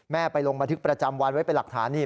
ไปลงบันทึกประจำวันไว้เป็นหลักฐานนี่